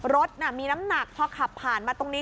รถมีน้ำหนักพอขับผ่านมาตรงนี้